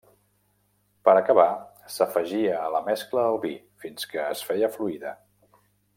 Per acabar s'afegia a la mescla el vi fins que es feia fluida.